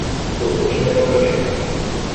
Tuvo un niño y cuatro nietos.